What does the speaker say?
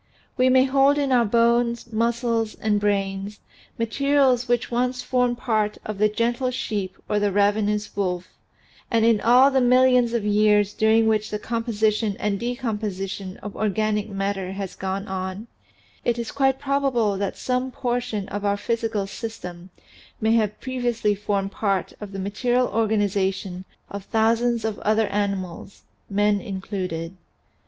We may hold in our bones, muscles, and brains, materials which once formed part of the gentle sheep or the ravenous wolf, and in all the millions of years during which the composition and decomposition of organic matter has gone on, it is quite probable that some portion 206 THE SEVEN FOLLIES OF SCIENCE of our physical system may have previously formed part of the material organization of thousands of other animals, men included.